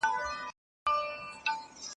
آیا کوم موټر په کور کې پاتې دی؟